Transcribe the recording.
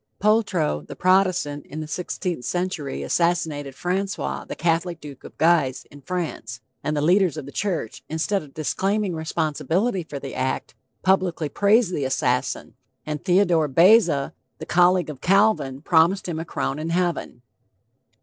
POLTROT, the Protestant, in the 16th century assassinated Francois, the Catholic duke of Guise, in France, and the leaders of the church, instead of disclaiming responsibility for the act, publicly praised the assassin, and Theodore Beza, the colleague of Calvin, promised him a crown in heaven.